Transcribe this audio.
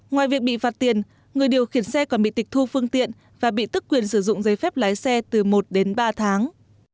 ngoài việc bị phạt tiền người điều khiển xe còn bị tịch thu phương tiện và bị tức quyền sử dụng giấy phép lái xe từ một đến ba tháng